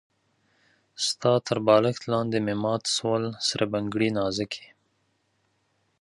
ستا تر بالښت لاندې مي مات سول سره بنګړي نازکي